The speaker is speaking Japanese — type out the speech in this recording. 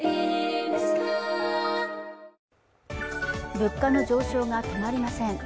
物価の上昇が止まりません。